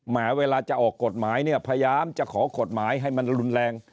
แม้เวลาจะออกกฎหมายเนี่ยพยายามจะขอกฎหมายให้มันรุนแรง